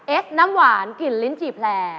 เอสน้ำหวานกลิ่นลิ้นจี่แผล